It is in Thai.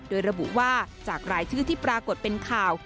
โดยระบุว่าจากรายชื่อที่ปรากฏเป็นข่าว